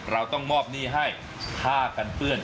เราต้องมอบหนี้ให้ผ้ากันเปื้อน